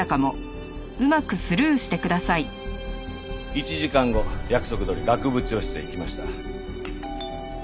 １時間後約束どおり学部長室へ行きました。